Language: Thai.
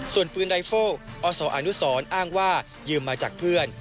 ส่วนปืนไดโฟรอศอนุสรอ้างว่ายืมมาจากเพื่อน